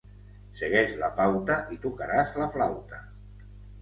Segueix la pauta i tocaràs la flauta.